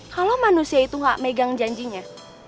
kalau manusia itu hak megang janjinya